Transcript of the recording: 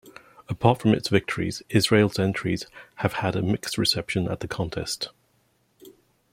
Apart from its victories, Israel's entries have had a mixed reception at the contest.